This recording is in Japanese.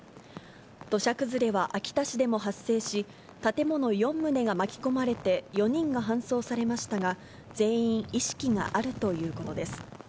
土砂崩れは秋田市でも発生し、建物４棟が巻き込まれて、４人が搬送されましたが、全員意識があるということです。